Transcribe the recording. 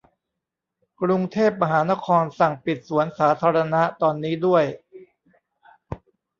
กรุงเทพมหานครสั่งปิดสวนสาธารณะตอนนี้ด้วย